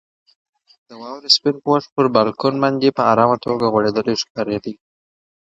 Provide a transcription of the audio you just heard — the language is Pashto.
د واورې سپین پوښ پر بالکن باندې په ارامه توګه غوړېدلی ښکارېده.